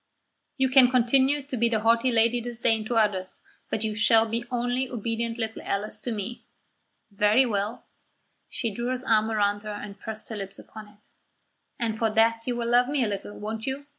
"You can continue to be the haughty Lady Disdain to others, but you shall be only obedient little Alice to me." "Very well." She drew his arm towards her and pressed her lips upon it. "And for that you will love me a little, won't you?